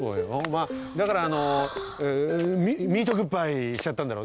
まっだからあのミートグッバイしちゃったんだろうね。